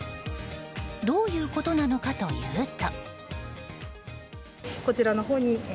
どういうことなのかというと。